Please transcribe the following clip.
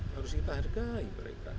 harus kita hargai mereka